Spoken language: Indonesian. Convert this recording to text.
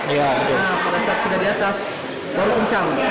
pada saat sudah di atas baru kencang